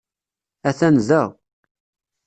Atan da.